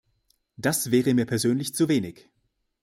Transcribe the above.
Das wäre mir persönlich zu wenig.